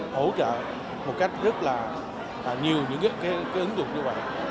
hỗ trợ một cách rất là nhiều những cái ứng dụng như vậy